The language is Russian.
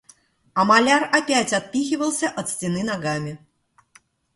А маляр опять отпихивался от стены ногами.